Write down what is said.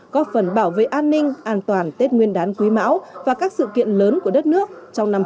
góp phần bảo vệ an ninh an toàn tết nguyên đán quý mão và các sự kiện lớn của đất nước trong năm hai nghìn hai mươi